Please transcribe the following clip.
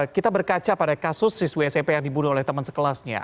kita berkaca pada kasus siswa smp yang dibunuh oleh teman sekelasnya